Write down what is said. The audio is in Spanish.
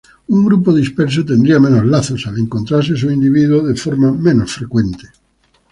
Un grupo disperso tendría menos lazos, al encontrarse sus individuos de forma menos frecuente.